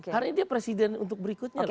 hari ini dia presiden untuk berikutnya